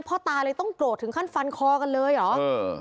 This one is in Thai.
ตาเลยต้องโกรธถึงขั้นฟันคอกันเลยเหรอเออ